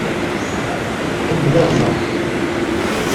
Ḥemmleɣ ta.